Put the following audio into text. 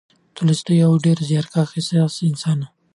تولستوی یو ډېر زیارکښ او حساس انسان و.